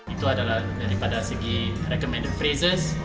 itu adalah daripada segi recommended prices